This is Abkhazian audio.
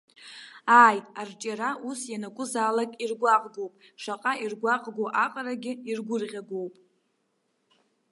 Ааи, арҿиара ус ианакәзаалак иргәаҟгоуп, шаҟа иргәаҟгоу аҟарагьы иргәырӷьагоуп.